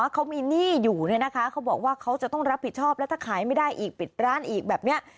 เขามีหนี้อยู่เนี่ยนะคะเขาบอกว่าเขาจะต้องรับผิดชอบแล้วถ้าขายไม่ได้อีกปิดร้านอีกแบบนี้